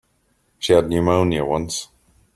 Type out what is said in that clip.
She had pneumonia once.